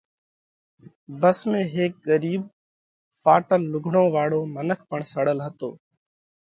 ڀس ۾ هيڪ ڳرِيٻ، ڦاٽل لُوگھڙون واۯو منک پڻ سڙل هتو۔